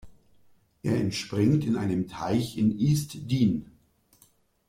Er entspringt in einem Teich in East Dean.